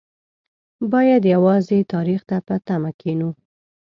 باید یوازې تاریخ ته په تمه کېنو.